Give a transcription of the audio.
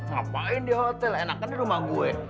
ngapain di hotel enak kan di rumah gue